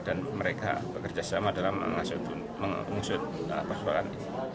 dan mereka bekerjasama dalam mengusut persoalan